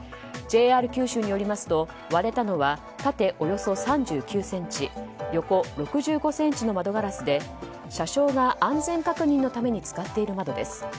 ＪＲ九州によりますと割れたのは縦およそ３９ｃｍ横６５ｃｍの窓ガラスで車掌が安全確認のために使っている窓です。